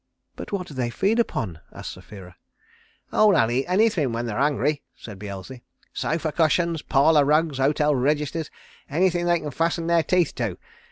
"But what do they feed upon?" asked Sapphira. "Oh they'll eat anything when they're hungry," said Beelzy. "Sofa cushions, parlor rugs, hotel registers anything they can fasten their teeth to.